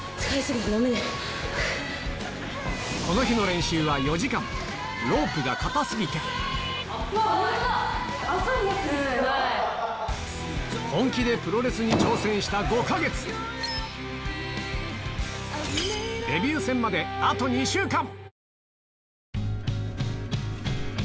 この日ロープが硬過ぎて本気でプロレスに挑戦した５か月デビュー戦まであと２週間